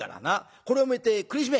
これを見て苦しめ！